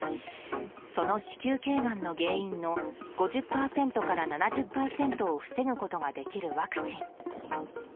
その子宮頸がんの原因の５０％から７０％を防ぐことができるワクチン。